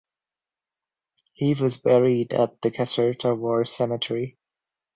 He was buried at the Caserta War Cemetery.